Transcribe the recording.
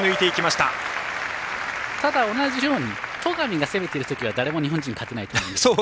ただ、同じように戸上が攻めている時は誰も日本人、勝てないと思います。